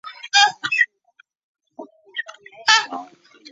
中华人民共和国实业家。